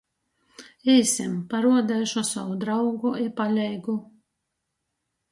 Īsim, paruodeišu sovu draugu i paleigu!